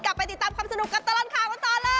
กลับไปติดตามคำสนุกกับร้านค้าของตอนนี้เลย